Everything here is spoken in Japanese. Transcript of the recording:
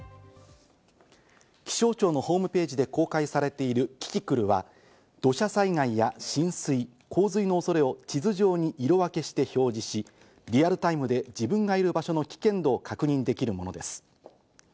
気象庁のホームページで公開されているキキクルは土砂災害や浸水、洪水の恐れを地図上に色分けして表示し、リアルタイムで自分がいる場所の危険度を確認できるものです。